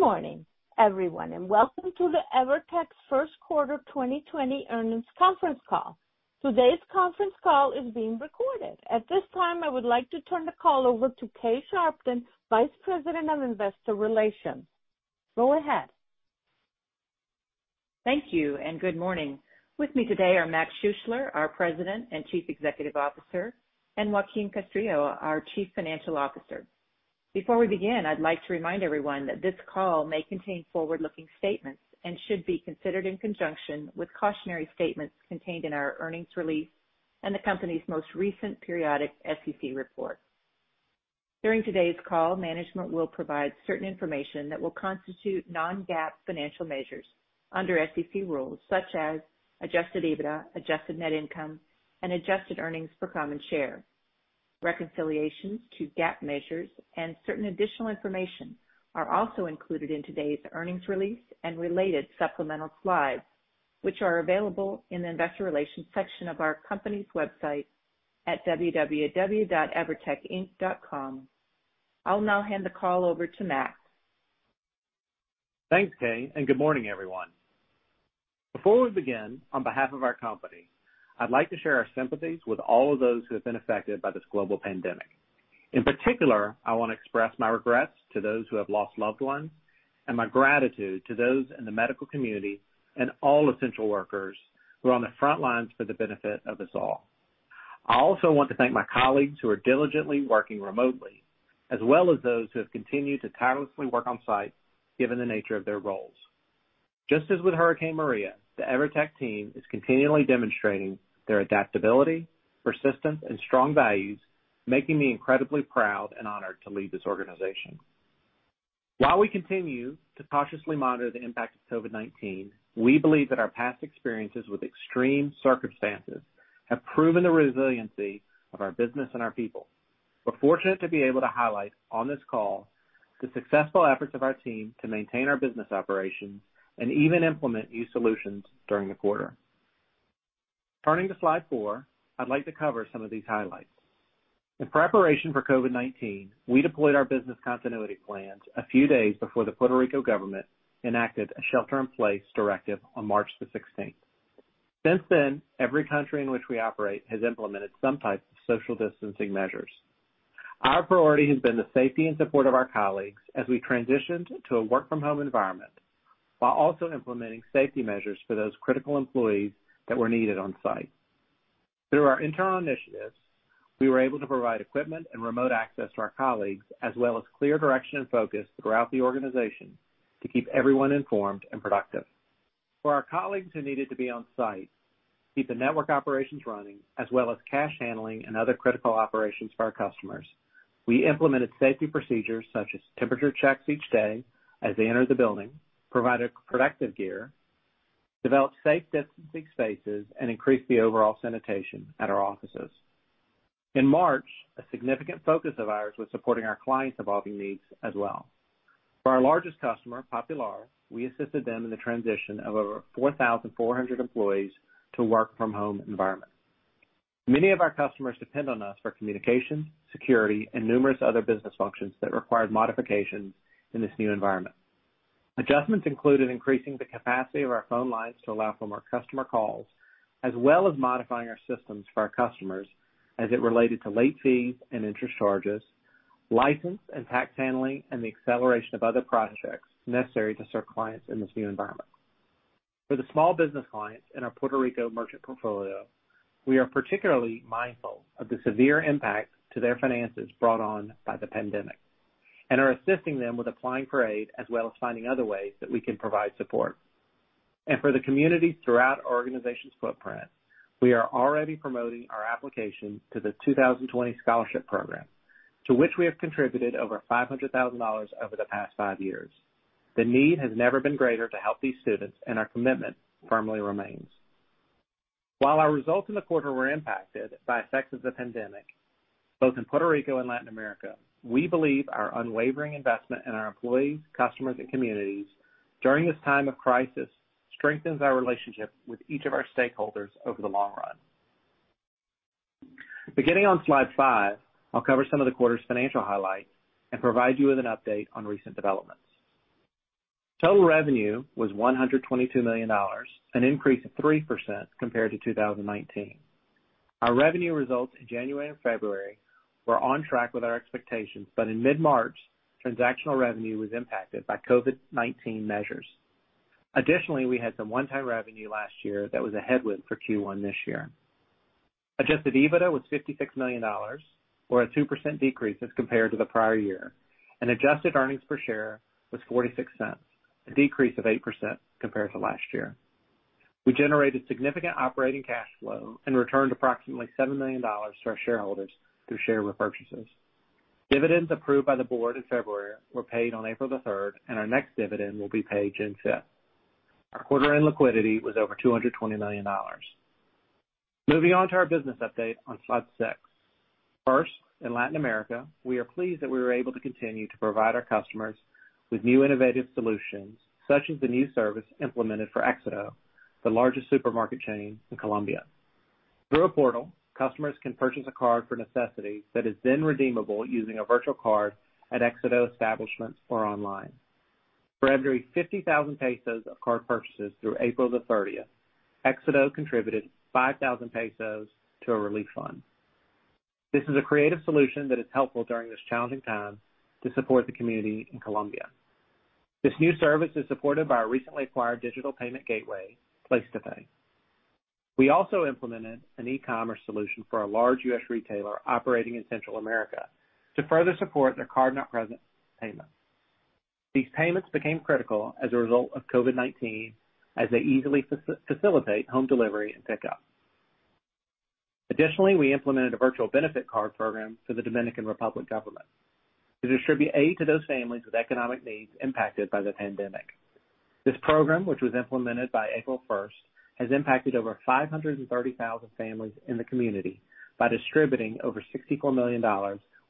Good morning, everyone, and welcome to the EVERTEC first quarter 2020 earnings conference call. Today's conference call is being recorded. At this time, I would like to turn the call over to Kay Sharpton, Vice President of Investor Relations. Go ahead. Thank you, and good morning. With me today are Mac Schuessler, our President and Chief Executive Officer, and Joaquín Castrillo, our Chief Financial Officer. Before we begin, I'd like to remind everyone that this call may contain forward-looking statements and should be considered in conjunction with cautionary statements contained in our earnings release and the company's most recent periodic SEC report. During today's call, management will provide certain information that will constitute non-GAAP financial measures under SEC rules, such as adjusted EBITDA, adjusted net income, and adjusted earnings per common share. Reconciliations to GAAP measures and certain additional information are also included in today's earnings release and related supplemental slides, which are available in the investor relations section of our company's website at www.evertecinc.com. I'll now hand the call over to Mac. Thanks, Kay, and good morning, everyone. Before we begin, on behalf of our company, I'd like to share our sympathies with all of those who have been affected by this global pandemic. In particular, I want to express my regrets to those who have lost loved ones, and my gratitude to those in the medical community and all essential workers who are on the front lines for the benefit of us all. I also want to thank my colleagues who are diligently working remotely, as well as those who have continued to tirelessly work on-site, given the nature of their roles. Just as with Hurricane Maria, the EVERTEC team is continually demonstrating their adaptability, persistence, and strong values, making me incredibly proud and honored to lead this organization. While we continue to cautiously monitor the impact of COVID-19, we believe that our past experiences with extreme circumstances have proven the resiliency of our business and our people. We're fortunate to be able to highlight on this call the successful efforts of our team to maintain our business operations and even implement new solutions during the quarter. Turning to slide four, I'd like to cover some of these highlights. In preparation for COVID-19, we deployed our business continuity plans a few days before the Puerto Rico government enacted a shelter-in-place directive on March 16th. Since then, every country in which we operate has implemented some type of social distancing measures. Our priority has been the safety and support of our colleagues as we transitioned to a work-from-home environment, while also implementing safety measures for those critical employees that were needed on-site. Through our internal initiatives, we were able to provide equipment and remote access to our colleagues, as well as clear direction and focus throughout the organization to keep everyone informed and productive. For our colleagues who needed to be on-site to keep the network operations running, as well as cash handling and other critical operations for our customers, we implemented safety procedures such as temperature checks each day as they entered the building, provided protective gear, developed safe distancing spaces, and increased the overall sanitation at our offices. In March, a significant focus of ours was supporting our clients' evolving needs as well. For our largest customer, Popular, we assisted them in the transition of over 4,400 employees to work-from-home environments. Many of our customers depend on us for communication, security, and numerous other business functions that required modifications in this new environment. Adjustments included increasing the capacity of our phone lines to allow for more customer calls, as well as modifying our systems for our customers as it related to late fees and interest charges, license and tax handling, and the acceleration of other projects necessary to serve clients in this new environment. For the small business clients in our Puerto Rico merchant portfolio, we are particularly mindful of the severe impact to their finances brought on by the pandemic and are assisting them with applying for aid, as well as finding other ways that we can provide support. For the communities throughout our organization's footprint, we are already promoting our application to the 2020 scholarship program, to which we have contributed over $500,000 over the past five years. The need has never been greater to help these students, our commitment firmly remains. While our results in the quarter were impacted by effects of the pandemic, both in Puerto Rico and Latin America, we believe our unwavering investment in our employees, customers, and communities during this time of crisis strengthens our relationship with each of our stakeholders over the long run. Beginning on slide five, I'll cover some of the quarter's financial highlights and provide you with an update on recent developments. Total revenue was $122 million, an increase of 3% compared to 2019. Our revenue results in January and February were on track with our expectations, but in mid-March, transactional revenue was impacted by COVID-19 measures. Additionally, we had some one-time revenue last year that was a headwind for Q1 this year. Adjusted EBITDA was $56 million, or a 2% decrease as compared to the prior year, and Adjusted Earnings Per Share was $0.46, a decrease of 8% compared to last year. We generated significant operating cash flow and returned approximately $7 million to our shareholders through share repurchases. Dividends approved by the board in February were paid on April the 3rd, and our next dividend will be paid June 5th. Our quarter-end liquidity was over $220 million. Moving on to our business update on slide six. First, in Latin America, we are pleased that we were able to continue to provide our customers with new innovative solutions, such as the new service implemented for Exito, the largest supermarket chain in Colombia. Through a portal, customers can purchase a card for necessities that is then redeemable using a virtual card at Exito establishments or online. For every COP 50,000 of card purchases through April the 30th, Exito contributed COP 5,000 to a relief fund. This is a creative solution that is helpful during this challenging time to support the community in Colombia. This new service is supported by our recently acquired digital payment gateway, PlacetoPay. We also implemented an e-commerce solution for a large U.S. retailer operating in Central America to further support their card-not-present payments. These payments became critical as a result of COVID-19 as they easily facilitate home delivery and pickup. Additionally, we implemented a virtual benefit card program for the Dominican Republic government to distribute aid to those families with economic needs impacted by the pandemic. This program, which was implemented by April first, has impacted over 530,000 families in the community by distributing over $64 million,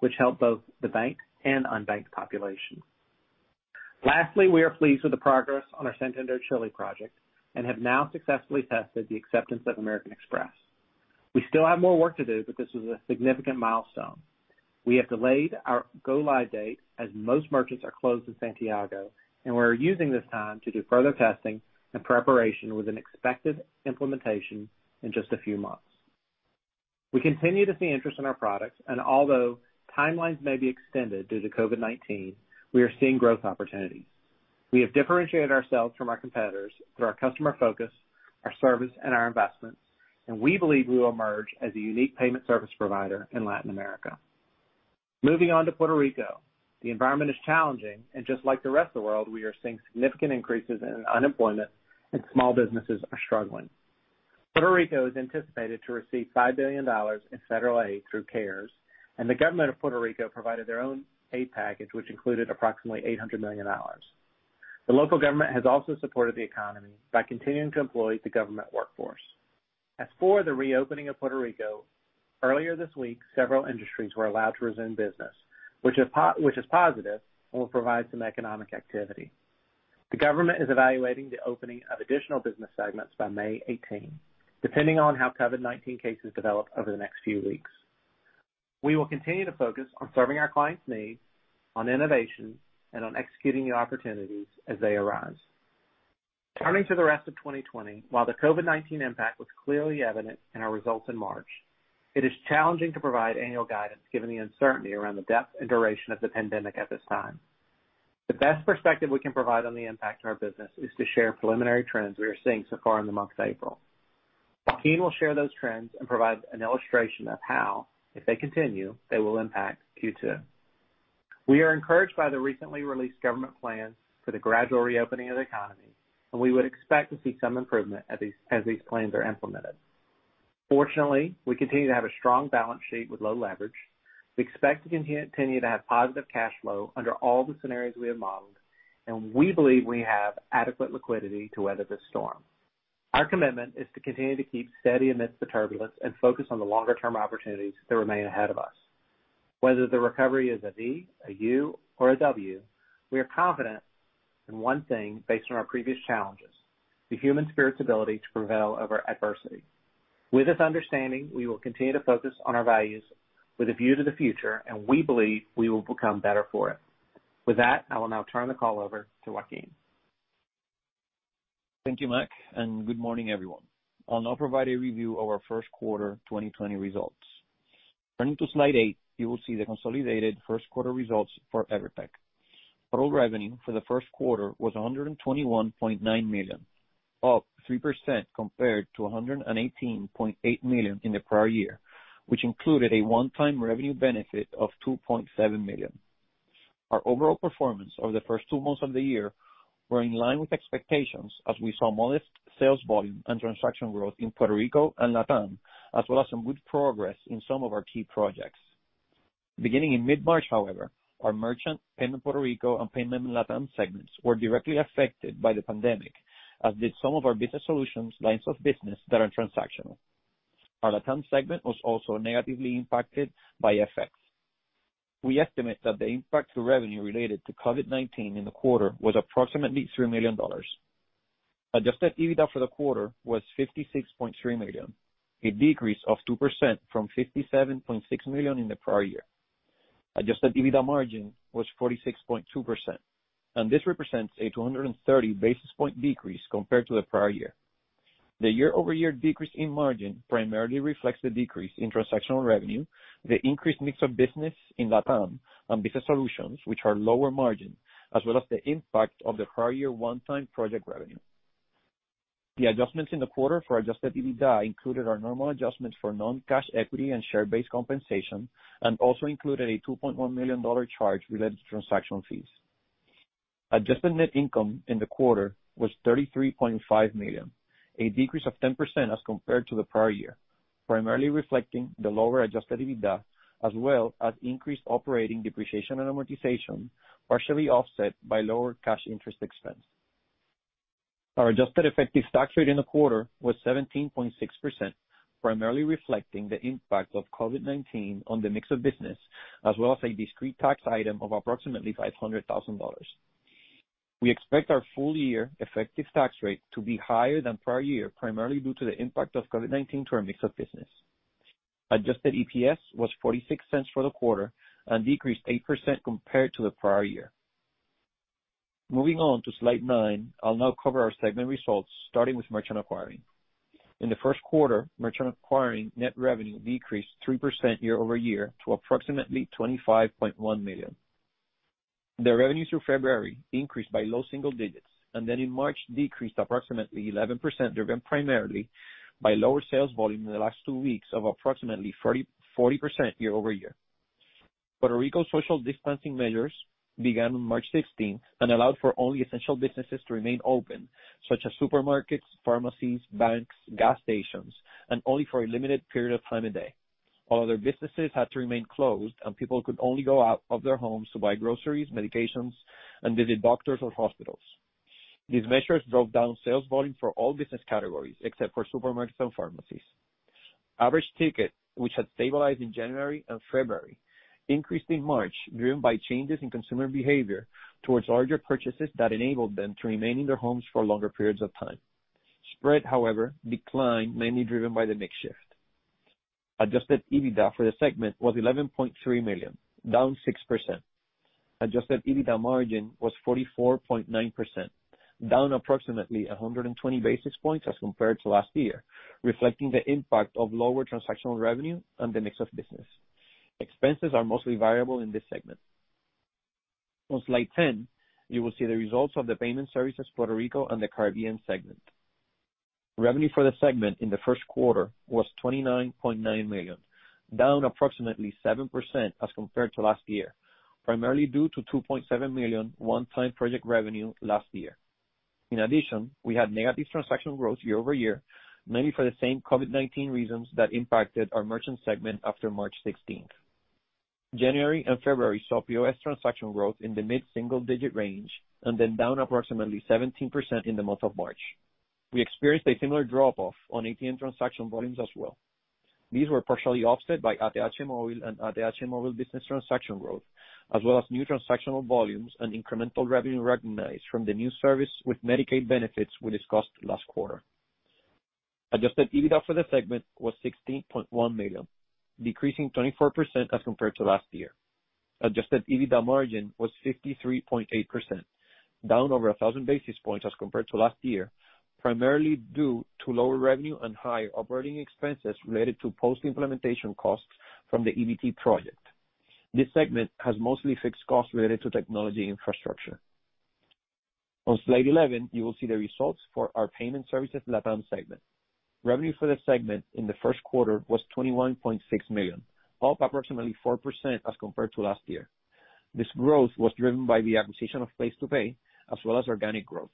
which helped both the banked and unbanked population. Lastly, we are pleased with the progress on our Santander Chile project and have now successfully tested the acceptance of American Express. We still have more work to do, but this is a significant milestone. We have delayed our go-live date as most merchants are closed in Santiago, and we are using this time to do further testing and preparation with an expected implementation in just a few months. We continue to see interest in our products, and although timelines may be extended due to COVID-19, we are seeing growth opportunities. We have differentiated ourselves from our competitors through our customer focus, our service, and our investments, and we believe we will emerge as a unique payment service provider in Latin America. Moving on to Puerto Rico, the environment is challenging, and just like the rest of the world, we are seeing significant increases in unemployment and small businesses are struggling. Puerto Rico is anticipated to receive $5 billion in federal aid through CARES. The government of Puerto Rico provided their own aid package, which included approximately $800 million. The local government has also supported the economy by continuing to employ the government workforce. As for the reopening of Puerto Rico, earlier this week, several industries were allowed to resume business which is positive and will provide some economic activity. The government is evaluating the opening of additional business segments by May 18, depending on how COVID-19 cases develop over the next few weeks. We will continue to focus on serving our clients' needs, on innovation, and on executing new opportunities as they arise. Turning to the rest of 2020, while the COVID-19 impact was clearly evident in our results in March, it is challenging to provide annual guidance given the uncertainty around the depth and duration of the pandemic at this time. The best perspective we can provide on the impact to our business is to share preliminary trends we are seeing so far in the month of April. Joaquín will share those trends and provide an illustration of how, if they continue, they will impact Q2. We are encouraged by the recently released government plans for the gradual reopening of the economy, and we would expect to see some improvement as these plans are implemented. Fortunately, we continue to have a strong balance sheet with low leverage. We expect to continue to have positive cash flow under all the scenarios we have modeled, and we believe we have adequate liquidity to weather this storm. Our commitment is to continue to keep steady amidst the turbulence and focus on the longer-term opportunities that remain ahead of us. Whether the recovery is a V, a U, or a W, we are confident in one thing based on our previous challenges: the human spirit's ability to prevail over adversity. With this understanding, we will continue to focus on our values with a view to the future, and we believe we will become better for it. With that, I will now turn the call over to Joaquín. Thank you, Mac, and good morning, everyone. I'll now provide a review of our first quarter 2020 results. Turning to slide eight, you will see the consolidated first quarter results for EVERTEC. Total revenue for the first quarter was $121.9 million, up 3% compared to $118.8 million in the prior year, which included a one-time revenue benefit of $2.7 million. Our overall performance over the first two months of the year were in line with expectations as we saw modest sales volume and transaction growth in Puerto Rico and LATAM, as well as some good progress in some of our key projects. Beginning in mid-March, however, our merchant payment Puerto Rico and payment LATAM segments were directly affected by the pandemic, as did some of our business solutions lines of business that are transactional. Our LATAM segment was also negatively impacted by FX. We estimate that the impact to revenue related to COVID-19 in the quarter was approximately $3 million. Adjusted EBITDA for the quarter was $56.3 million, a decrease of 2% from $57.6 million in the prior year. Adjusted EBITDA margin was 46.2%. This represents a 230 basis point decrease compared to the prior year. The year-over-year decrease in margin primarily reflects the decrease in transactional revenue, the increased mix of business in LATAM and business solutions, which are lower margin, as well as the impact of the prior year one-time project revenue. The adjustments in the quarter for adjusted EBITDA included our normal adjustment for non-cash equity and share-based compensation and also included a $2.1 million charge related to transactional fees. Adjusted net income in the quarter was $33.5 million, a decrease of 10% as compared to the prior year, primarily reflecting the lower adjusted EBITDA as well as increased operating depreciation and amortization, partially offset by lower cash interest expense. Our adjusted effective tax rate in the quarter was 17.6%, primarily reflecting the impact of COVID-19 on the mix of business, as well as a discrete tax item of approximately $500,000. We expect our full-year effective tax rate to be higher than prior year, primarily due to the impact of COVID-19 to our mix of business. Adjusted EPS was $0.46 for the quarter and decreased 8% compared to the prior year. Moving on to slide nine, I'll now cover our segment results, starting with merchant acquiring. In the first quarter, merchant acquiring net revenue decreased 3% year-over-year to approximately $25.1 million. The revenue through February increased by low single digits, then in March decreased approximately 11%, driven primarily by lower sales volume in the last two weeks of approximately 40% year-over-year. Puerto Rico social distancing measures began on March 16th and allowed for only essential businesses to remain open, such as supermarkets, pharmacies, banks, gas stations, and only for a limited period of time a day. All other businesses had to remain closed, and people could only go out of their homes to buy groceries, medications, and visit doctors or hospitals. These measures drove down sales volume for all business categories except for supermarkets and pharmacies. Average ticket, which had stabilized in January and February, increased in March, driven by changes in consumer behavior towards larger purchases that enabled them to remain in their homes for longer periods of time. Spread however, declined mainly driven by the mix shift. adjusted EBITDA for the segment was $11.3 million, down 6%. adjusted EBITDA margin was 44.9%, down approximately 120 basis points as compared to last year, reflecting the impact of lower transactional revenue and the mix of business. Expenses are mostly variable in this segment. On slide 10, you will see the results of the Payment Services Puerto Rico and the Caribbean segment. Revenue for the segment in the first quarter was $29.9 million, down approximately 7% as compared to last year, primarily due to $2.7 million one-time project revenue last year. In addition, we had negative transaction growth year-over-year, mainly for the same COVID-19 reasons that impacted our merchant segment after March 16th. January and February saw POS transaction growth in the mid-single digit range and then down approximately 17% in the month of March. We experienced a similar drop-off on ATM transaction volumes as well. These were partially offset by ATH Móvil and ATH Móvil Business transaction growth, as well as new transactional volumes and incremental revenue recognized from the new service with Medicaid benefits we discussed last quarter. Adjusted EBITDA for the segment was $16.1 million, decreasing 24% as compared to last year. Adjusted EBITDA margin was 53.8%, down over 1,000 basis points as compared to last year, primarily due to lower revenue and higher operating expenses related to post-implementation costs from the EBT project. This segment has mostly fixed costs related to technology infrastructure. On slide 11, you will see the results for our payment services Latam segment. Revenue for the segment in the first quarter was $21.6 million, up approximately 4% as compared to last year. This growth was driven by the acquisition of PlacetoPay as well as organic growth.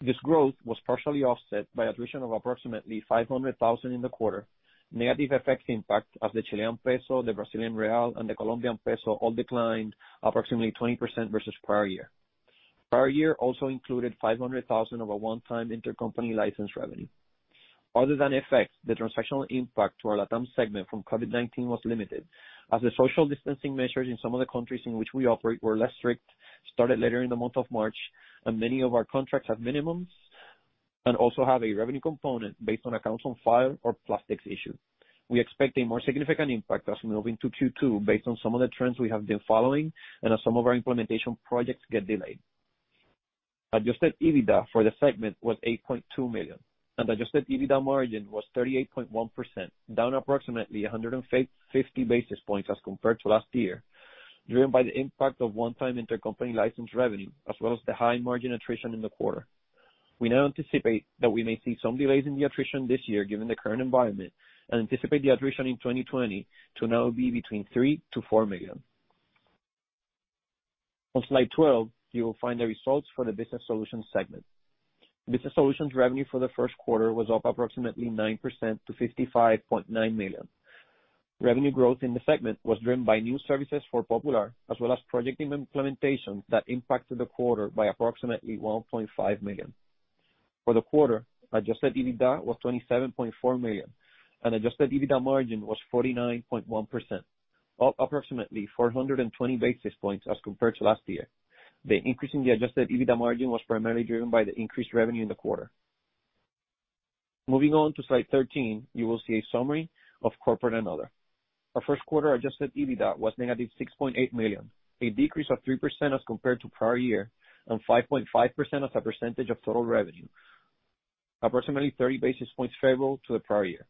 This growth was partially offset by attrition of approximately $500,000 in the quarter, negative FX impact as the Chilean peso, the Brazilian real, and the Colombian peso all declined approximately 20% versus prior year. Prior year also included $500,000 of a one-time intercompany license revenue. Other than FX, the transactional impact to our Latam segment from COVID-19 was limited, as the social distancing measures in some of the countries in which we operate were less strict, started later in the month of March, and many of our contracts have minimums and also have a revenue component based on accounts on file or plastics issued. We expect a more significant impact as we move into Q2 based on some of the trends we have been following and as some of our implementation projects get delayed. Adjusted EBITDA for the segment was $8.2 million, and adjusted EBITDA margin was 38.1%, down approximately 150 basis points as compared to last year, driven by the impact of one-time intercompany license revenue as well as the high margin attrition in the quarter. We now anticipate that we may see some delays in the attrition this year given the current environment and anticipate the attrition in 2020 to now be between $3 million-$4 million. On slide 12, you will find the results for the business solutions segment. Business solutions revenue for the first quarter was up approximately 9% to $55.9 million. Revenue growth in the segment was driven by new services for Popular, as well as project implementations that impacted the quarter by approximately $1.5 million. For the quarter, adjusted EBITDA was $27.4 million, and adjusted EBITDA margin was 49.1%, up approximately 420 basis points as compared to last year. The increase in the adjusted EBITDA margin was primarily driven by the increased revenue in the quarter. Moving on to slide 13, you will see a summary of corporate and other. Our first quarter adjusted EBITDA was negative $6.8 million, a decrease of 3% as compared to prior year and 5.5% as a percentage of total revenue, approximately 30 basis points favorable to the prior year.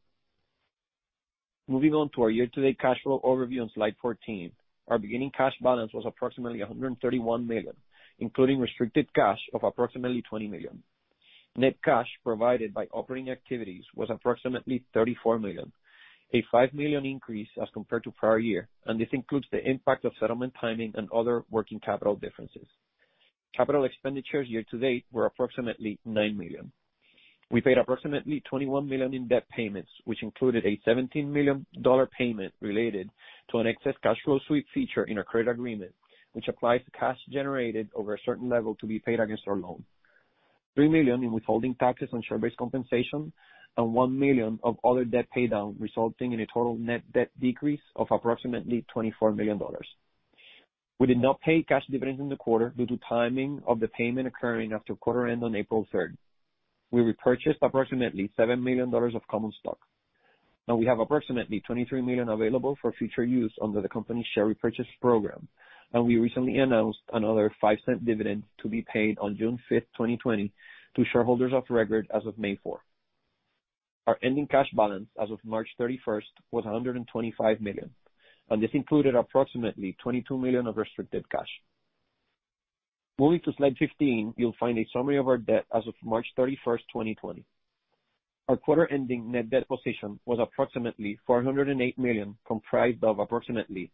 Moving on to our year-to-date cash flow overview on slide 14. Our beginning cash balance was approximately $131 million, including restricted cash of approximately $20 million. Net cash provided by operating activities was approximately $34 million, a $5 million increase as compared to prior year, and this includes the impact of settlement timing and other working capital differences. Capital expenditures year to date were approximately $9 million. We paid approximately $21 million in debt payments, which included a $17 million payment related to an excess cash flow sweep feature in our credit agreement, which applies to cash generated over a certain level to be paid against our loan. $3 million in withholding taxes on share-based compensation, and $1 million of other debt pay-down, resulting in a total net debt decrease of approximately $24 million. We did not pay cash dividends in the quarter due to timing of the payment occurring after quarter end on April 3rd. We repurchased approximately $7 million of common stock. Now we have approximately $23 million available for future use under the company's share repurchase program, and we recently announced another $0.05 dividend to be paid on June 5th, 2020, to shareholders of record as of May 4th. Our ending cash balance as of March 31st was $125 million, and this included approximately $22 million of restricted cash. Moving to slide 15, you'll find a summary of our debt as of March 31st, 2020. Our quarter-ending net debt position was approximately $408 million, comprised of approximately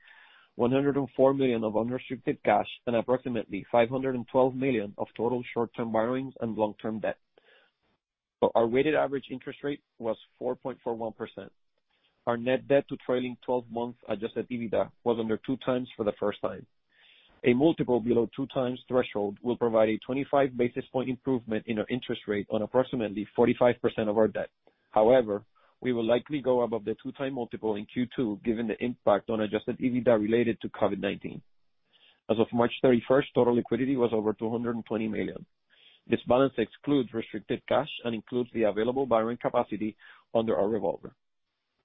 $104 million of unrestricted cash and approximately $512 million of total short-term borrowings and long-term debt. Our weighted average interest rate was 4.41%. Our net debt to trailing 12-month adjusted EBITDA was under 2x for the first time. A multiple below 2x threshold will provide a 25 basis point improvement in our interest rate on approximately 45% of our debt. However, we will likely go above the 2x multiple in Q2 given the impact on adjusted EBITDA related to COVID-19. As of March 31st, total liquidity was over $220 million. This balance excludes restricted cash and includes the available borrowing capacity under our revolver.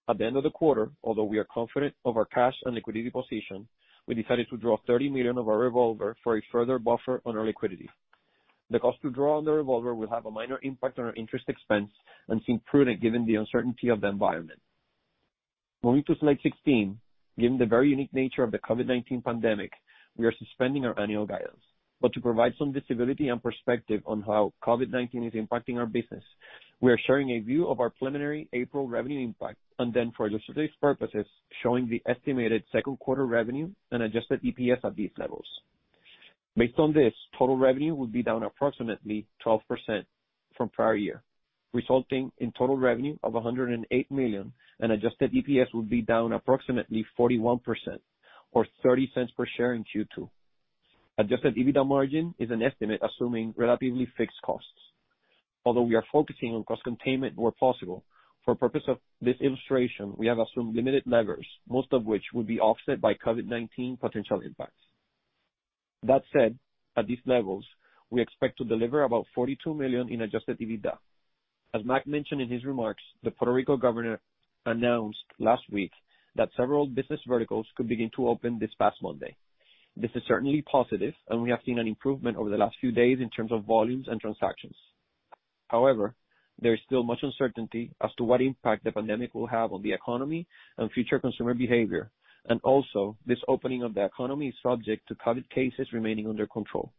At the end of the quarter, although we are confident of our cash and liquidity position, we decided to draw $30 million of our revolver for a further buffer on our liquidity. The cost to draw on the revolver will have a minor impact on our interest expense and seem prudent given the uncertainty of the environment. Moving to slide 16, given the very unique nature of the COVID-19 pandemic, we are suspending our annual guidance. To provide some visibility and perspective on how COVID-19 is impacting our business, we are sharing a view of our preliminary April revenue impact, and then for illustrative purposes, showing the estimated second quarter revenue and adjusted EPS at these levels. Based on this, total revenue will be down approximately 12% from prior year, resulting in total revenue of $108 million and adjusted EPS will be down approximately 41% or $0.30 per share in Q2. Adjusted EBITDA margin is an estimate assuming relatively fixed costs. Although we are focusing on cost containment where possible, for purpose of this illustration, we have assumed limited levers, most of which will be offset by COVID-19 potential impacts. That said, at these levels, we expect to deliver about $42 million in adjusted EBITDA. As Mac mentioned in his remarks, the Puerto Rico governor announced last week that several business verticals could begin to open this past Monday. This is certainly positive, and we have seen an improvement over the last few days in terms of volumes and transactions. There is still much uncertainty as to what impact the pandemic will have on the economy and future consumer behavior. This opening of the economy is subject to COVID cases remaining under control.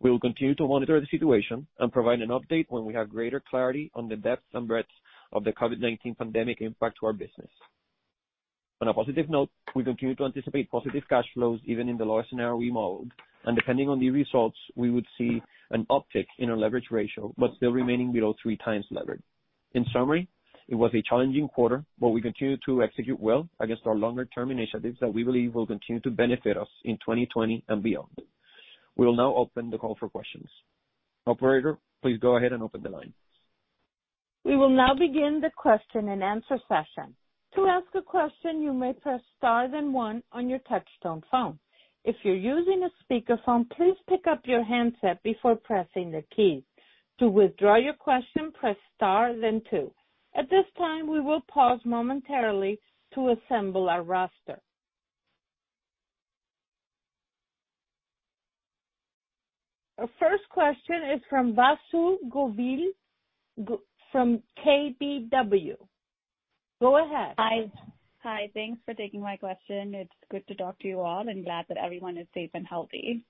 We will continue to monitor the situation and provide an update when we have greater clarity on the depth and breadth of the COVID-19 pandemic impact to our business. On a positive note, we continue to anticipate positive cash flows even in the lowest scenario we modeled, and depending on the results, we would see an uptick in our leverage ratio, but still remaining below 3x leverage. In summary, it was a challenging quarter, but we continue to execute well against our longer-term initiatives that we believe will continue to benefit us in 2020 and beyond. We will now open the call for questions. Operator, please go ahead and open the line. We will now begin the question and answer session. To ask a question, you may press star then one on your touchtone phone. If you're using a speakerphone, please pick up your handset before pressing the key. To withdraw your question, press star then two. At this time, we will pause momentarily to assemble our roster. Our first question is from Vasu Govil, from KBW. Go ahead. Hi. Thanks for taking my question. It's good to talk to you all, and glad that everyone is safe and healthy.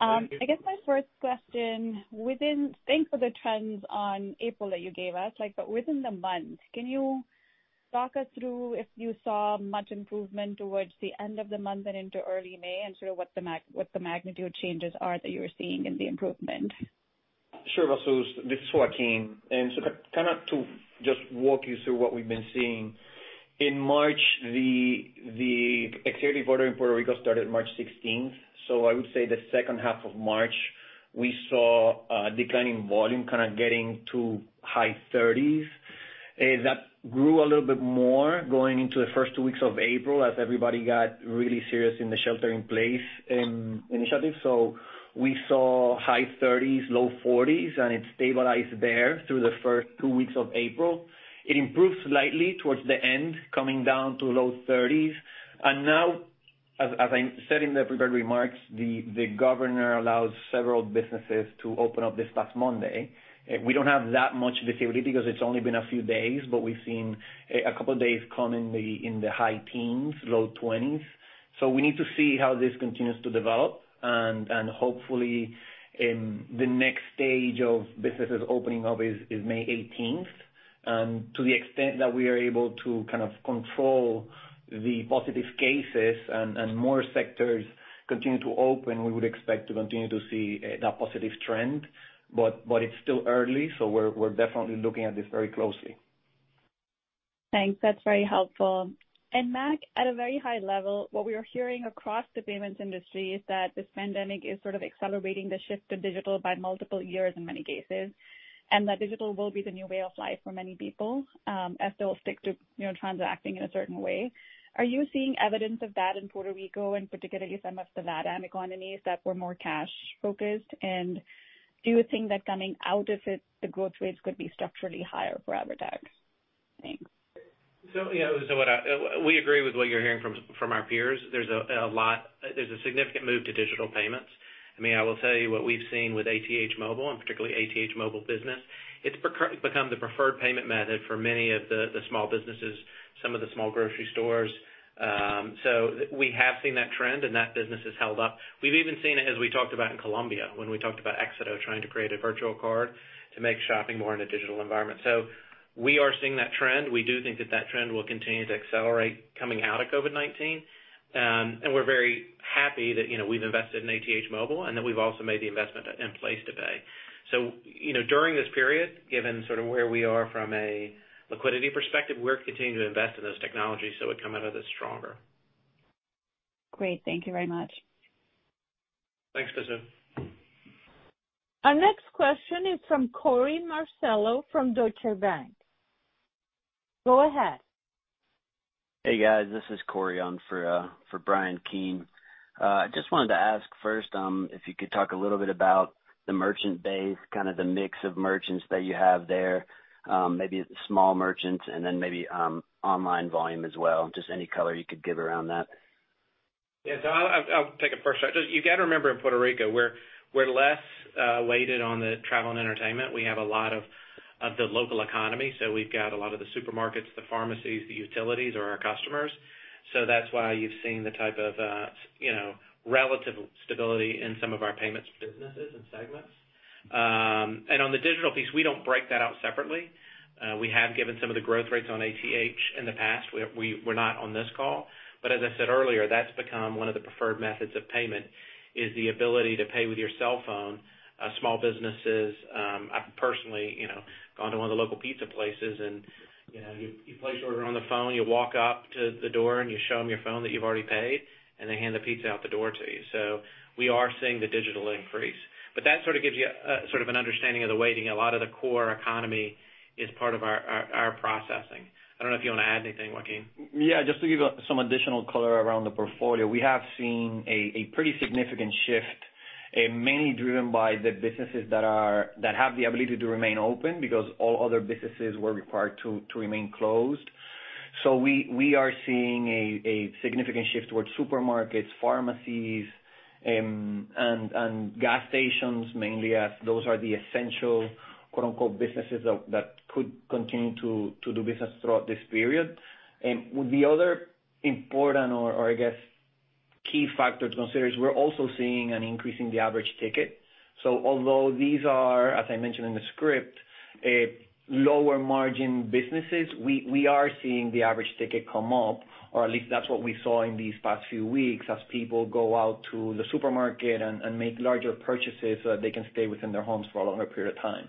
Thank you. I guess my first question, thanks for the trends on April that you gave us. Within the month, can you talk us through if you saw much improvement towards the end of the month and into early May, and sort of what the magnitude changes are that you were seeing in the improvement? Sure, Vasu, this is Joaquín. To kind of to just walk you through what we've been seeing. In March, the executive order in Puerto Rico started March 16th. I would say the second half of March, we saw a declining volume kind of getting to high 30s. That grew a little bit more going into the first two weeks of April as everybody got really serious in the shelter-in-place initiative. We saw high 30s, low 40s, and it stabilized there through the first two weeks of April. It improved slightly towards the end, coming down to low 30s. Now, as I said in the prepared remarks, the governor allowed several businesses to open up this past Monday. We don't have that much visibility because it's only been a few days, but we've seen a couple of days come in the high teens, low 20s. We need to see how this continues to develop, and hopefully, the next stage of businesses opening up is May 18th. To the extent that we are able to kind of control the positive cases and more sectors continue to open, we would expect to continue to see that positive trend. It's still early, so we're definitely looking at this very closely. Thanks, that's very helpful. Mac, at a very high level, what we are hearing across the payments industry is that this pandemic is sort of accelerating the shift to digital by multiple years in many cases, and that digital will be the new way of life for many people as they'll stick to transacting in a certain way. Are you seeing evidence of that in Puerto Rico, and particularly some of the LATAM economies that were more cash-focused? Do you think that coming out of it, the growth rates could be structurally higher for EVERTEC? Thanks. Yeah. We agree with what you're hearing from our peers, there's a significant move to digital payments. I will tell you what we've seen with ATH Móvil, and particularly ATH Móvil Business. It's become the preferred payment method for many of the small businesses, some of the small grocery stores. We have seen that trend, and that business has held up. We've even seen it as we talked about in Colombia when we talked about Exito trying to create a virtual card to make shopping more in a digital environment, so we are seeing that trend. We do think that that trend will continue to accelerate coming out of COVID-19, and we're very happy that we've invested in ATH Móvil and that we've also made the investment in PlacetoPay. During this period, given sort of where we are from a liquidity perspective, we're continuing to invest in those technologies so we come out of this stronger. Great. Thank you very much. Thanks, Lizanne. Our next question is from Korey Marcello from Deutsche Bank. Go ahead. Hey, guys, this is Korey on for Bryan Keane. Just wanted to ask first if you could talk a little bit about the merchant base, kind of the mix of merchants that you have there. Maybe small merchants and then maybe online volume as well. Just any color you could give around that. I'll take a first shot. You got to remember in Puerto Rico, we're less weighted on the travel and entertainment. We have a lot of the local economy, so we've got a lot of the supermarkets, the pharmacies, the utilities are our customers. That's why you've seen the type of relative stability in some of our payments businesses and segments. On the digital piece, we don't break that out separately. We have given some of the growth rates on ATH in the past. We're not on this call. As I said earlier, that's become one of the preferred methods of payment is the ability to pay with your cell phone. Small businesses, I've personally gone to one of the local pizza places, and you place your order on the phone, you walk up to the door, and you show them your phone that you've already paid, and they hand the pizza out the door to you. We are seeing the digital increase. That sort of gives you sort of an understanding of the weighting. A lot of the core economy is part of our processing. I don't know if you want to add anything, Joaquin. Yeah, just to give some additional color around the portfolio. We have seen a pretty significant shift, mainly driven by the businesses that have the ability to remain open because all other businesses were required to remain closed. We are seeing a significant shift towards supermarkets, pharmacies, and gas stations mainly as those are the essential, quote unquote, "businesses" that could continue to do business throughout this period. The other important or I guess key factor to consider is we're also seeing an increase in the average ticket. Although these are, as I mentioned in the script, lower margin businesses, we are seeing the average ticket come up, or at least that's what we saw in these past few weeks as people go out to the supermarket and make larger purchases so that they can stay within their homes for a longer period of time.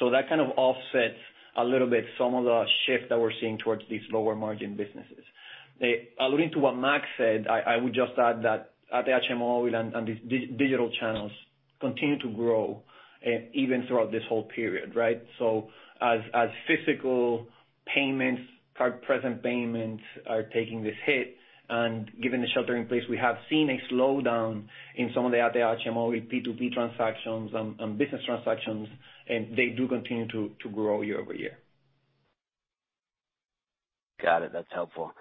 That kind of offsets a little bit some of the shift that we're seeing towards these lower margin businesses. Alluding to what Mac said, I would just add that ATH Móvil and these digital channels continue to grow even throughout this whole period, right. As physical payments, card-present payments are taking this hit and given the shelter in place, we have seen a slowdown in some of the ATH Móvil P2P transactions and business transactions, and they do continue to grow year-over-year. Got it, that's helpful.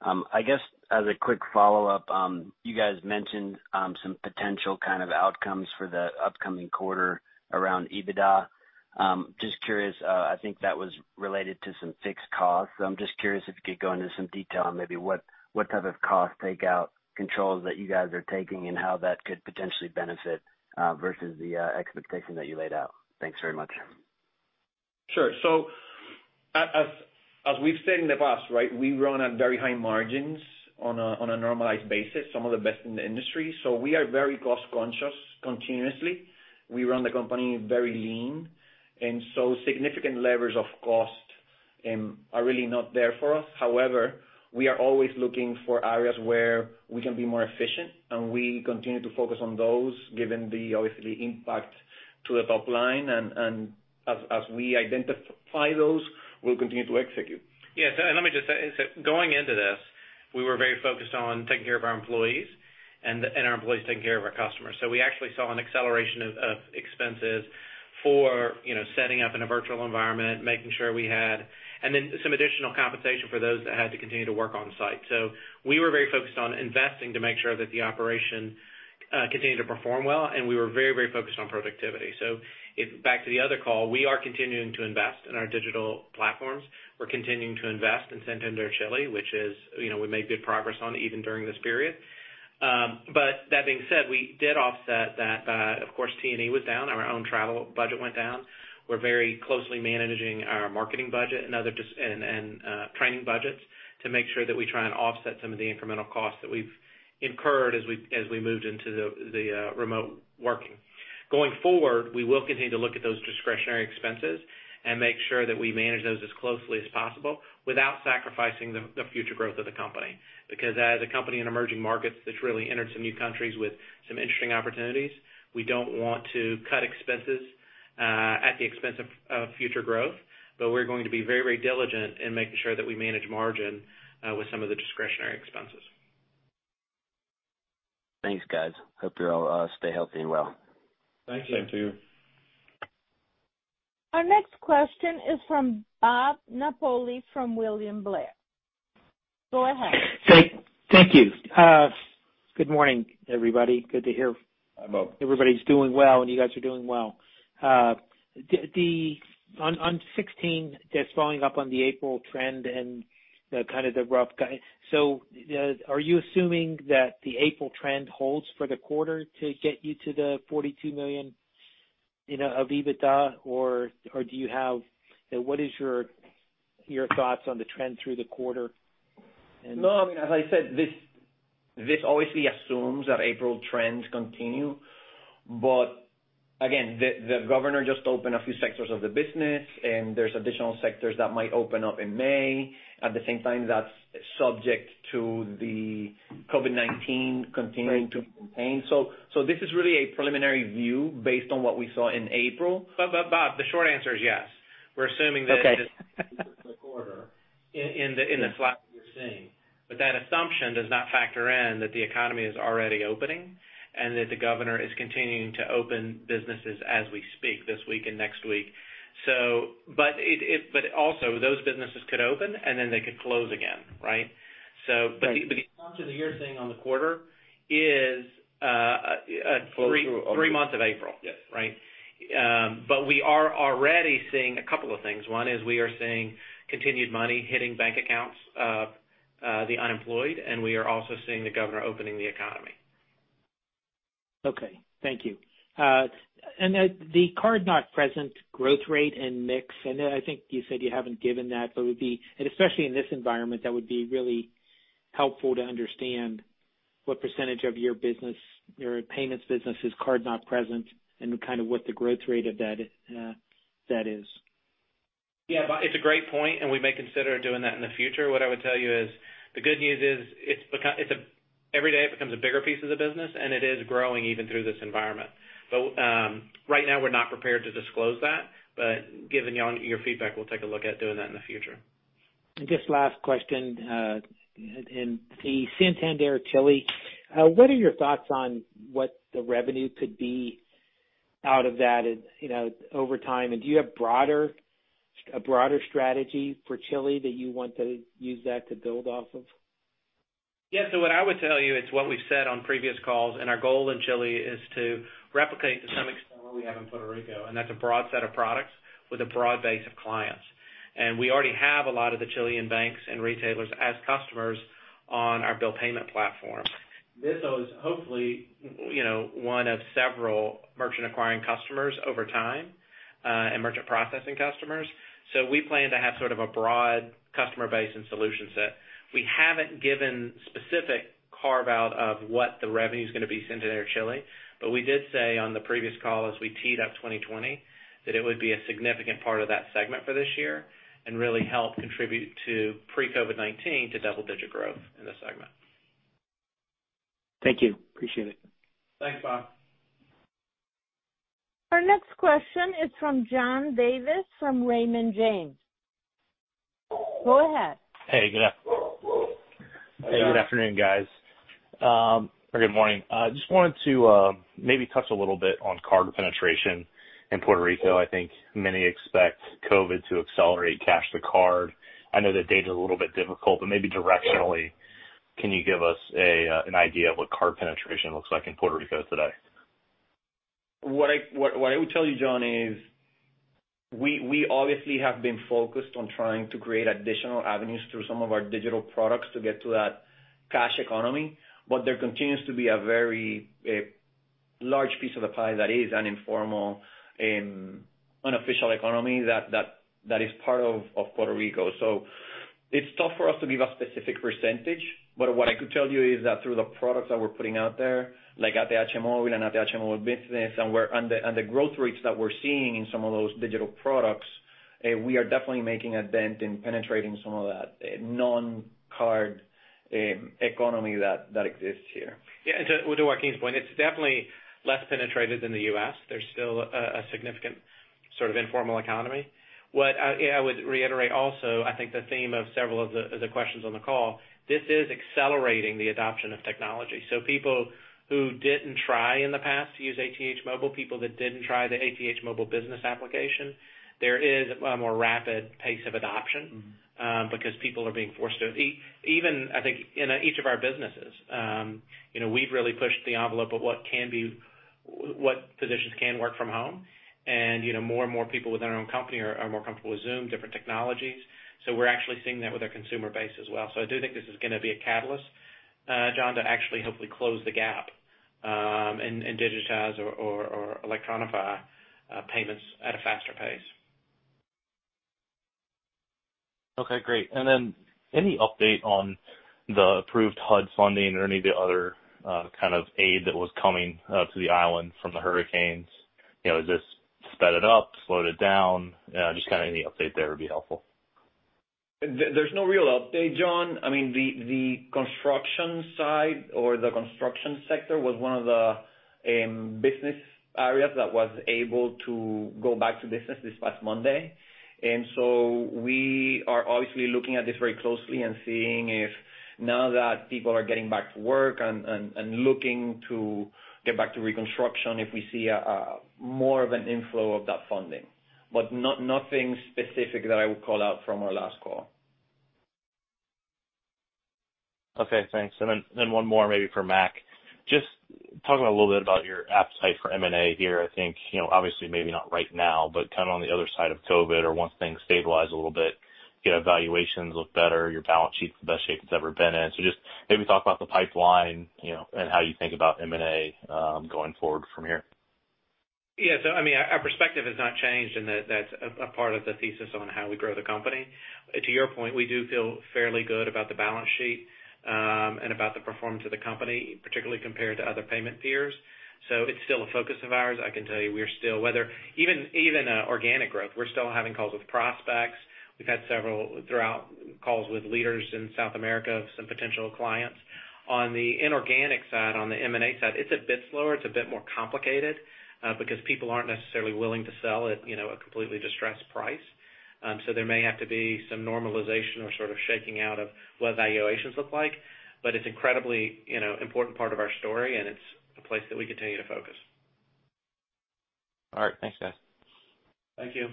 I guess as a quick follow-up, you guys mentioned some potential kind of outcomes for the upcoming quarter around adjusted EBITDA. Just curious, I think that was related to some fixed costs. I'm just curious if you could go into some detail on maybe what type of cost takeout controls that you guys are taking and how that could potentially benefit versus the expectation that you laid out. Thanks very much. Sure. As we've said in the past, right, we run at very high margins on a normalized basis, some of the best in the industry. We are very cost-conscious continuously, we run the company very lean, and so significant levers of cost are really not there for us. However, we are always looking for areas where we can be more efficient, and we continue to focus on those given obviously the impact to the top line. As we identify those, we'll continue to execute. Yes. Let me just say, going into this, we were very focused on taking care of our employees and our employees taking care of our customers. We actually saw an acceleration of expenses for setting up in a virtual environment, making sure we had some additional compensation for those that had to continue to work on-site. We were very focused on investing to make sure that the operation continued to perform well, and we were very focused on productivity. Back to the other call, we are continuing to invest in our digital platforms. We're continuing to invest in Santander Chile, we made good progress on even during this period. That being said, we did offset that. Of course, T&E was down, our own travel budget went down. We're very closely managing our marketing budget and training budgets to make sure that we try and offset some of the incremental costs that we've incurred as we moved into the remote working. Going forward, we will continue to look at those discretionary expenses and make sure that we manage those as closely as possible without sacrificing the future growth of the company. Because as a company in emerging markets that's really entered some new countries with some interesting opportunities, we don't want to cut expenses at the expense of future growth, but we're going to be very diligent in making sure that we manage margin with some of the discretionary expenses. Thanks, guys. Hope you all stay healthy and well. Thank you. Same to you. Our next question is from Bob Napoli from William Blair. Go ahead. Thank you. Good morning, everybody. Hi, Bob. Good to hear everybody's doing well, and you guys are doing well. On 16, just following up on the April trend and kind of the rough guide. Are you assuming that the April trend holds for the quarter to get you to the $42 million of EBITDA? Or what is your thoughts on the trend through the quarter? No, I mean, as I said, this obviously assumes that April trends continue. Again, the governor just opened a few sectors of the business, and there's additional sectors that might open up in May. At the same time, that's subject to the COVID-19 continuing to be contained. This is really a preliminary view based on what we saw in April. Bob, the short answer is yes. We're assuming. Okay. The quarter in the slide that you're seeing. That assumption does not factor in that the economy is already opening and that the governor is continuing to open businesses as we speak this week and next week. Also those businesses could open and then they could close again, right? Right. The assumption that you're seeing on the quarter is- Close to- Three months of April. Yes. Right. We are already seeing a couple of things. One is we are seeing continued money hitting bank accounts of the unemployed, and we are also seeing the governor opening the economy. Okay, thank you. The card-not-present growth rate and mix, and I think you said you haven't given that, but especially in this environment, that would be really helpful to understand what percentage of your business, your payments business is card-not-present, and kind of what the growth rate of that is. Yeah, it's a great point. We may consider doing that in the future. What I would tell you is the good news is every day it becomes a bigger piece of the business, and it is growing even through this environment. Right now we're not prepared to disclose that. Given your feedback, we'll take a look at doing that in the future. Just last question. In the Santander Chile, what are your thoughts on what the revenue could be out of that over time? Do you have a broader strategy for Chile that you want to use that to build off of? What I would tell you, it's what we've said on previous calls, our goal in Chile is to replicate to some extent what we have in Puerto Rico, that's a broad set of products with a broad base of clients. We already have a lot of the Chilean banks and retailers as customers on our bill payment platform. This is hopefully one of several merchant acquiring customers over time and merchant processing customers. We plan to have sort of a broad customer base and solution set. We haven't given specific carve-out of what the revenue's going to be in Santander Chile. We did say on the previous call as we teed up 2020 that it would be a significant part of that segment for this year and really help contribute to pre-COVID-19 to double-digit growth in the segment. Thank you. Appreciate it. Thanks, Bob. Our next question is from John Davis from Raymond James. Go ahead. Hey, good afternoon, guys. Or good morning. Just wanted to maybe touch a little bit on card penetration in Puerto Rico. I think many expect COVID to accelerate cash to card. I know the data's a little bit difficult, but maybe directionally, can you give us an idea of what card penetration looks like in Puerto Rico today? What I will tell you, John, is we obviously have been focused on trying to create additional avenues through some of our digital products to get to that cash economy. There continues to be a very large piece of the pie that is an informal, unofficial economy that is part of Puerto Rico. It's tough for us to give a specific percentage, but what I could tell you is that through the products that we're putting out there, like ATH Móvil and ATH Móvil Business and the growth rates that we're seeing in some of those digital products, we are definitely making a dent in penetrating some of that non-card economy that exists here. Yeah. To Joaquín's point, it's definitely less penetrated than the U.S., there's still a significant sort of informal economy. What I would reiterate also, I think the theme of several of the questions on the call, this is accelerating the adoption of technology. People who didn't try in the past to use ATH Móvil, people that didn't try the ATH Móvil Business application, there is a more rapid pace of adoption because people are being forced to. Even I think in each of our businesses, we've really pushed the envelope of what positions can work from home. More and more people within our own company are more comfortable with Zoom, different technologies. We're actually seeing that with our consumer base as well. I do think this is going to be a catalyst, John, to actually hopefully close the gap and digitize or electronify payments at a faster pace. Okay, great. Any update on the approved HUD funding or any of the other kind of aid that was coming to the island from the hurricanes? Has this sped it up, slowed it down? Just any update there would be helpful. There's no real update, John. The construction side or the construction sector was one of the business areas that was able to go back to business this past Monday. We are obviously looking at this very closely and seeing if now that people are getting back to work and looking to get back to reconstruction, if we see more of an inflow of that funding. Nothing specific that I would call out from our last call. Okay, thanks. One more maybe for Mac. Just talking a little bit about your appetite for M&A here. I think, obviously maybe not right now, but kind of on the other side of COVID-19 or once things stabilize a little bit, valuations look better, your balance sheet's the best shape it's ever been in. Maybe talk about the pipeline and how you think about M&A going forward from here. Yeah. Our perspective has not changed in that that's a part of the thesis on how we grow the company. To your point, we do feel fairly good about the balance sheet and about the performance of the company, particularly compared to other payment peers. It's still a focus of ours. I can tell you we're still, whether even organic growth, we're still having calls with prospects. We've had several throughout calls with leaders in South America, some potential clients. On the inorganic side, on the M&A side, it's a bit slower. It's a bit more complicated because people aren't necessarily willing to sell at a completely distressed price. There may have to be some normalization or sort of shaking out of what valuations look like. It's incredibly important part of our story and it's a place that we continue to focus. All right. Thanks, guys. Thank you.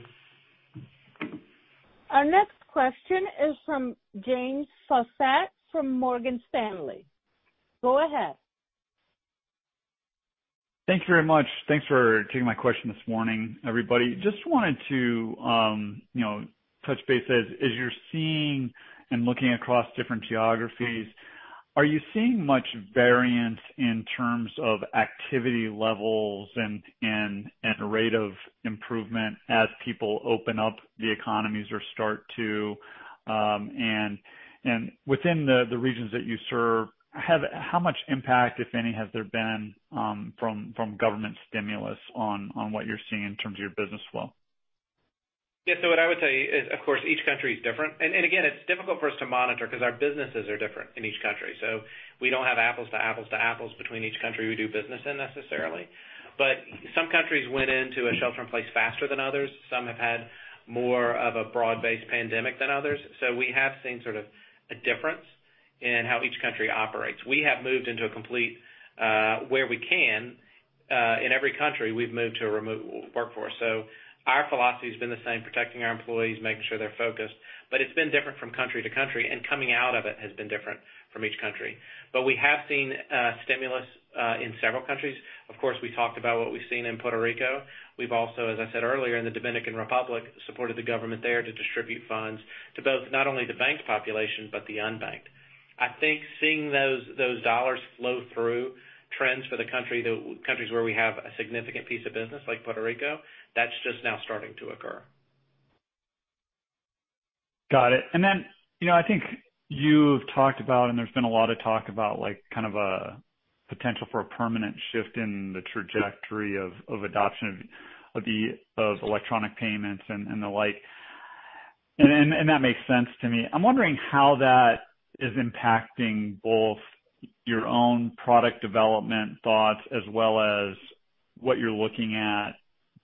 Our next question is from James Faucette from Morgan Stanley. Go ahead. Thank you very much. Thanks for taking my question this morning, everybody. Just wanted to touch base. As you're seeing and looking across different geographies, are you seeing much variance in terms of activity levels and rate of improvement as people open up the economies or start to? Within the regions that you serve, how much impact, if any, has there been from government stimulus on what you're seeing in terms of your business flow? What I would say is, of course, each country is different. Again, it's difficult for us to monitor because our businesses are different in each country. We don't have apples to apples to apples between each country we do business in necessarily. Some countries went into a shelter-in-place faster than others. Some have had more of a broad-based pandemic than others. We have seen sort of a difference in how each country operates. We have moved into a complete, where we can, in every country, we've moved to a remote workforce. Our philosophy has been the same, protecting our employees, making sure they're focused. It's been different from country to country, and coming out of it has been different from each country. We have seen stimulus in several countries. Of course, we talked about what we've seen in Puerto Rico. We've also, as I said earlier, in the Dominican Republic, supported the government there to distribute funds to both, not only the banked population, but the unbanked. I think seeing those dollars flow through trends for the countries where we have a significant piece of business like Puerto Rico, that's just now starting to occur. Got it. I think you've talked about, and there's been a lot of talk about kind of a potential for a permanent shift in the trajectory of adoption of electronic payments and the like. That makes sense to me. I'm wondering how that is impacting both your own product development thoughts as well as what you're looking at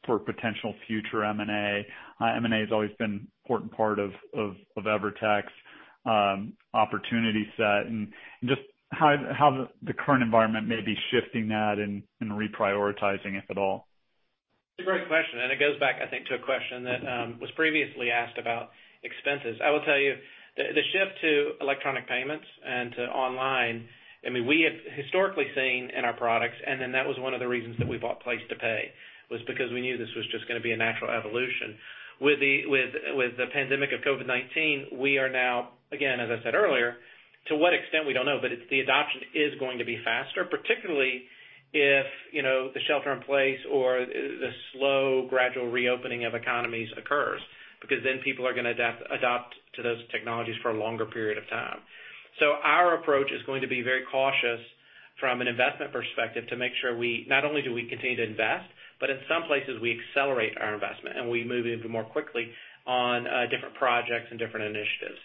for potential future M&A. M&A has always been an important part of EVERTEC's opportunity set, and just how the current environment may be shifting that and reprioritizing, if at all. It's a great question. It goes back, I think, to a question that was previously asked about expenses. I will tell you the shift to electronic payments and to online, we have historically seen in our products. That was one of the reasons that we bought PlacetoPay, was because we knew this was just going to be a natural evolution. With the pandemic of COVID-19, we are now, again, as I said earlier, to what extent, we don't know. The adoption is going to be faster, particularly if the shelter in place or the slow gradual reopening of economies occurs. People are going to adapt to those technologies for a longer period of time. Our approach is going to be very cautious from an investment perspective to make sure not only do we continue to invest, but in some places we accelerate our investment and we move even more quickly on different projects and different initiatives.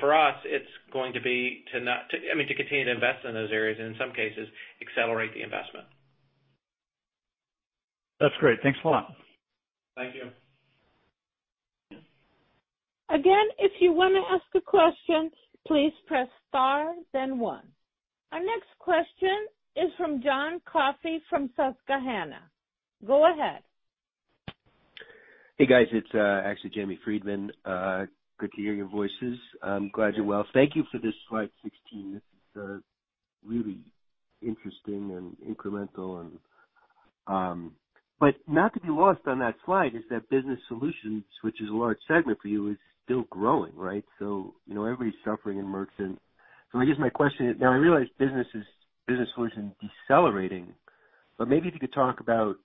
For us, it's going to be to continue to invest in those areas and in some cases, accelerate the investment. That's great, thanks a lot. Thank you. Again, if you want to ask a question, please press star then one. Our next question is from John Coffey from Susquehanna. Go ahead. Hey guys, it's actually Jamie Friedman. Good to hear your voices. I'm glad you're well. Thank you for this slide 16, this is really interesting and incremental. Not to be lost on that slide is that Business Solutions, which is a large segment for you, is still growing, right? Everybody's suffering in merchant. I guess my question is, now I realize Business Solutions decelerating, but maybe if you could talk about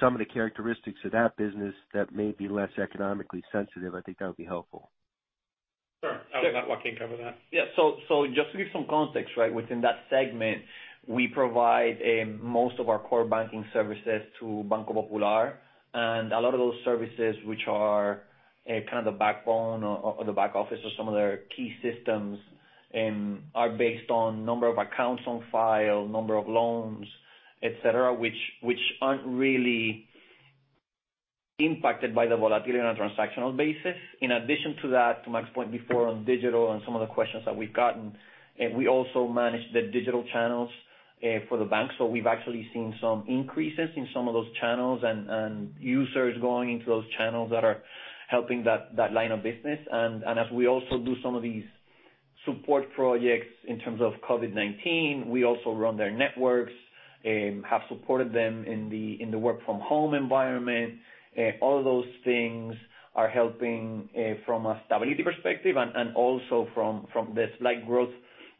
some of the characteristics of that business that may be less economically sensitive, I think that would be helpful. Sure. I'll let Joaquin cover that. Yeah. Just to give some context, right? Within that segment, we provide most of our core banking services to Banco Popular. A lot of those services, which are kind of the backbone or the back office of some of their key systems, are based on number of accounts on file, number of loans, et cetera, which aren't really impacted by the volatility on a transactional basis. In addition to that, to Mac's point before on digital and some of the questions that we've gotten, we also manage the digital channels for the bank. We've actually seen some increases in some of those channels and users going into those channels that are helping that line of business. As we also do some of these support projects in terms of COVID-19, we also run their networks, have supported them in the work from home environment. All of those things are helping from a stability perspective and also from the slight growth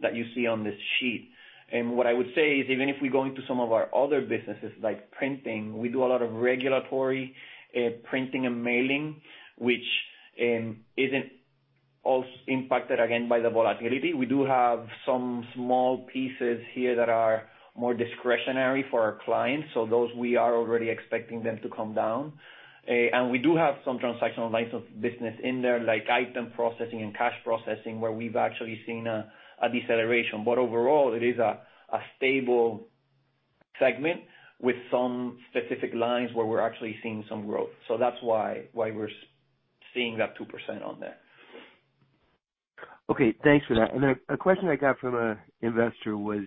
that you see on this sheet. What I would say is, even if we go into some of our other businesses like printing, we do a lot of regulatory printing and mailing, which isn't all impacted, again, by the volatility. We do have some small pieces here that are more discretionary for our clients. Those, we are already expecting them to come down. We do have some transactional lines of business in there, like item processing and cash processing, where we've actually seen a deceleration. Overall, it is a stable segment with some specific lines where we're actually seeing some growth. That's why we're seeing that 2% on there. Okay. Thanks for that. A question I got from an investor was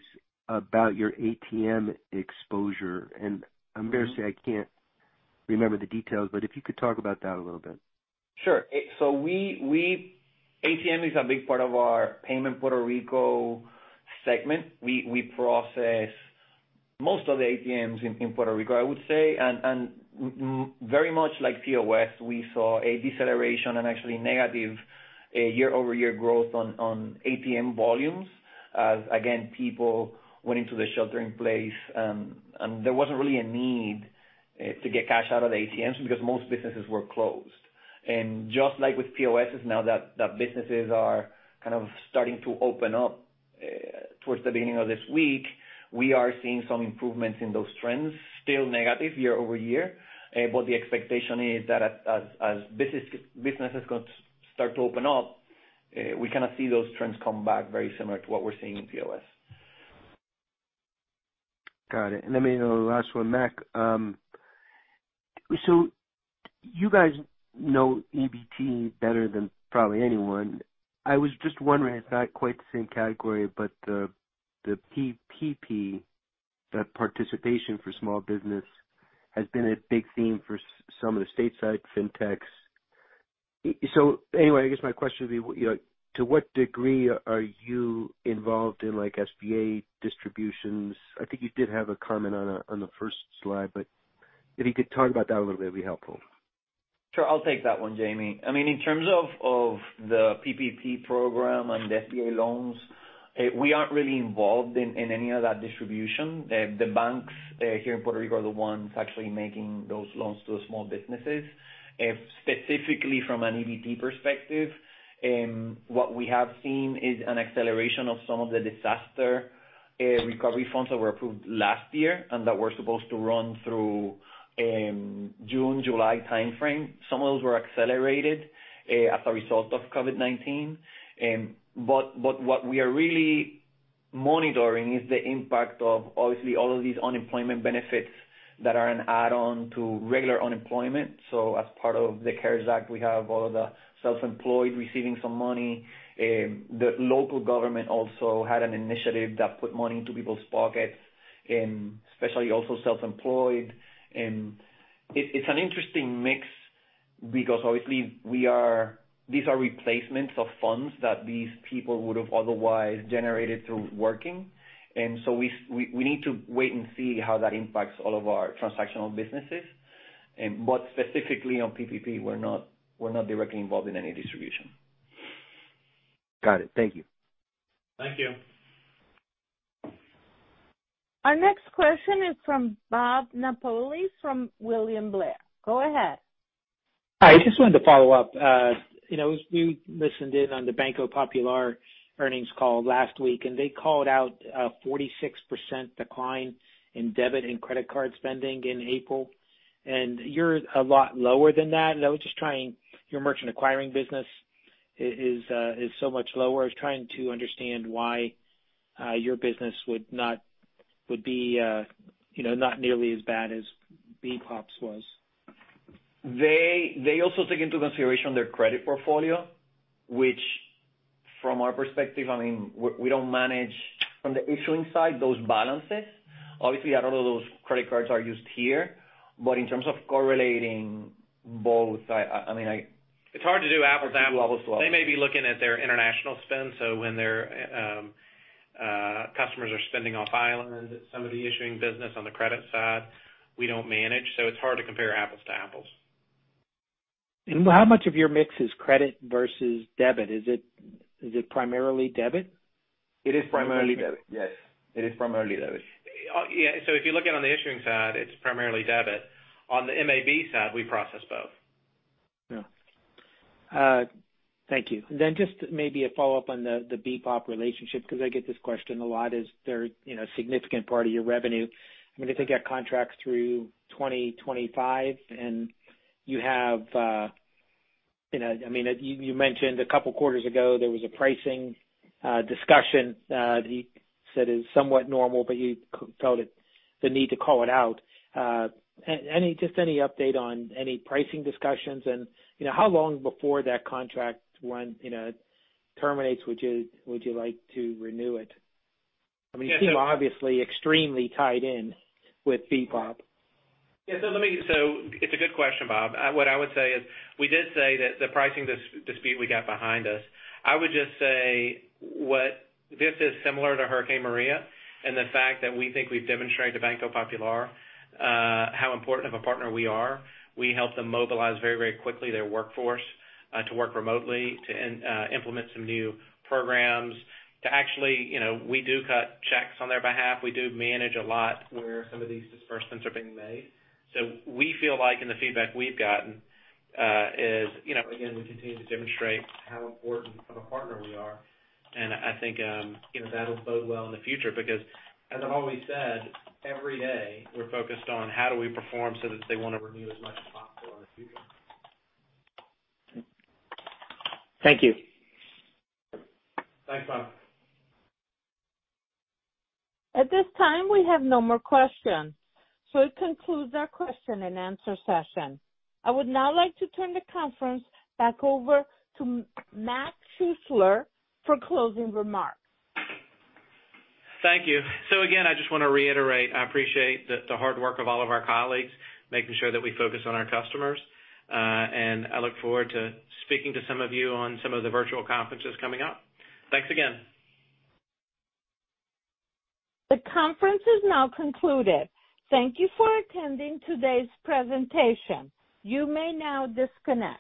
about your ATM exposure, and I'm embarrassed to say I can't remember the details, but if you could talk about that a little bit. Sure. ATM is a big part of our payment Puerto Rico segment. We process most of the ATMs in Puerto Rico, I would say. Very much like POS, we saw a deceleration and actually negative year-over-year growth on ATM volumes as, again, people went into the shelter in place. There wasn't really a need to get cash out of the ATMs because most businesses were closed. Just like with POSs now that businesses are kind of starting to open up towards the beginning of this week, we are seeing some improvements in those trends. Still negative year-over-year, the expectation is that as businesses start to open up, we kind of see those trends come back very similar to what we're seeing in POS. Got it. Let me know the last one, Mac. You guys know EBT better than probably anyone. I was just wondering, it's not quite the same category, but the PPP, the participation for small business, has been a big theme for some of the stateside Fintechs. Anyway, I guess my question would be, to what degree are you involved in SBA distributions? I think you did have a comment on the first slide, but if you could talk about that a little bit, it'd be helpful. Sure. I'll take that one, Jamie. In terms of the PPP program and the SBA loans, we aren't really involved in any of that distribution. The banks here in Puerto Rico are the ones actually making those loans to the small businesses. Specifically from an EBT perspective, what we have seen is an acceleration of some of the disaster recovery funds that were approved last year and that were supposed to run through June, July timeframe. Some of those were accelerated as a result of COVID-19. What we are really monitoring is the impact of obviously all of these unemployment benefits that are an add-on to regular unemployment. As part of the CARES Act, we have all of the self-employed receiving some money. The local government also had an initiative that put money into people's pockets, especially also self-employed. It's an interesting mix because obviously these are replacements of funds that these people would have otherwise generated through working. We need to wait and see how that impacts all of our transactional businesses. Specifically on PPP, we're not directly involved in any distribution. Got it, thank you. Thank you. Our next question is from Bob Napoli from William Blair. Go ahead. Hi. I just wanted to follow up. We listened in on the Banco Popular earnings call last week, and they called out a 46% decline in debit and credit card spending in April, and you're a lot lower than that. Your merchant acquiring business is so much lower. I was trying to understand why your business would be not nearly as bad as BPOP's was. They also take into consideration their credit portfolio. From our perspective, we don't manage from the issuing side those balances. Obviously, a lot of those credit cards are used here, but in terms of correlating both. It's hard to do apples to apples. They may be looking at their international spend, so when their customers are spending off-island, some of the issuing business on the credit side, we don't manage. It's hard to compare apples to apples. How much of your mix is credit versus debit? Is it primarily debit? It is primarily debit. Yes. It is primarily debit. Yeah. If you look at it on the issuing side, it's primarily debit. On the MAB side, we process both. Yeah, thank you. Just maybe a follow-up on the BPOP relationship, because I get this question a lot, is there a significant part of your revenue? I mean, I think you have contracts through 2025, and you mentioned a couple of quarters ago there was a pricing discussion that you said is somewhat normal, but you felt the need to call it out. Just any update on any pricing discussions and how long before that contract terminates would you like to renew it? I mean, you seem obviously extremely tied in with BPOP. It's a good question, Bob. What I would say is we did say that the pricing dispute we got behind us. I would just say this is similar to Hurricane Maria, and the fact that we think we've demonstrated to Banco Popular how important of a partner we are. We helped them mobilize very quickly their workforce to work remotely, to implement some new programs. We do cut checks on their behalf. We do manage a lot where some of these disbursements are being made. We feel like in the feedback we've gotten is, again, we continue to demonstrate how important of a partner we are, and I think that'll bode well in the future because as I've always said, every day we're focused on how do we perform so that they want to renew as much as possible in the future. Thank you. Thanks, Bob. At this time, we have no more questions. It concludes our question and answer session. I would now like to turn the conference back over to Mac Schuessler for closing remarks. Thank you. Again, I just want to reiterate, I appreciate the hard work of all of our colleagues, making sure that we focus on our customers. I look forward to speaking to some of you on some of the virtual conferences coming up. Thanks again. The conference is now concluded. Thank you for attending today's presentation, you may now disconnect.